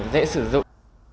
dễ sử dụng